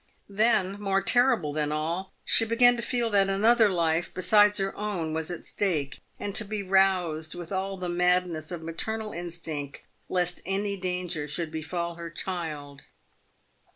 Then, more terrible than all, she began to feel that another life besides her own was at stake, and to be roused with all the madness of maternal instinct lest any danger should befal her child.